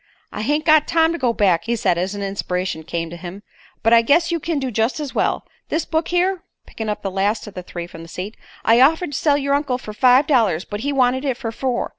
"I hain't got time to go back," he said, as an inspiration came to him; "but I guess you kin do jest as well. This book here," picking up the last of the three from the seat, "I offered to sell yer uncle fer five dollars; but he wanted it fer four.